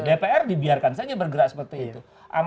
dpr dibiarkan saja bergerak seperti itu